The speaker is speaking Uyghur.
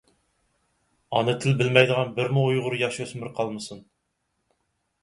ئانا تىل بىلمەيدىغان بىرمۇ ئۇيغۇر ياش-ئۆسمۈر قالمىسۇن!